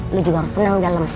lu juga harus tenang di dalam